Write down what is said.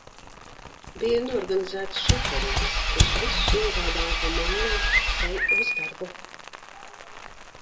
Bija noorganizēts šoferītis, kurš visus nogādāja pa mājām vai uz darbu.